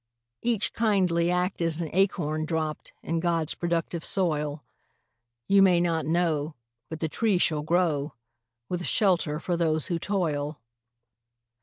Each kindly act is an acorn dropped In God's productive soil. You may not know, but the tree shall grow, With shelter for those who toil.